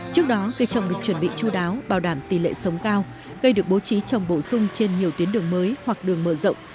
trước đó cây trồng được chuẩn bị chú đáo bảo đảm tỷ lệ sống cao cây được bố trí trồng bổ sung trên nhiều tuyến đường mới hoặc đường mở rộng